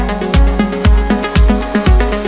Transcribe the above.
อ่า